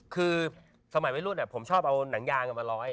คือสมัยวัยรุ่นผมชอบเอาหนังยางมาร้อย